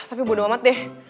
tapi bodo amat deh